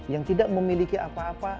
yang tidak memiliki apa apa